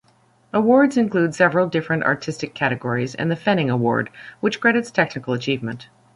Awards include several different Artistic categories and the Fenning Award, which credits technical achievement.